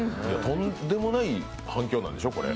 とんでもない反響なんでしょう。